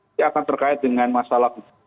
ini akan terkait dengan masalah